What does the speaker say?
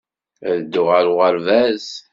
Ad dduɣ ɣer uɣerbaz.